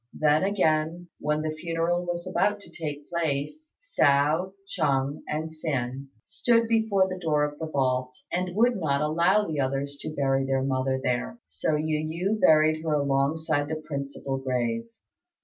Then, again, when the funeral was about to take place, Hsiao, Chung, and Hsin stood before the door of the vault, and would not allow the others to bury their mother there. So Yu yü buried her alongside the principal grave.